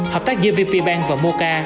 hợp tác giữa vpbank và mocha